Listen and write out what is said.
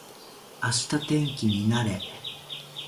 明日天気になれ